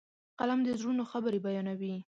قلم د زړونو خبرې بیانوي.